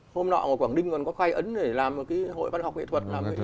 hôm nọ ở quảng ninh còn có khai ấn để làm một cái hội văn học nghệ thuật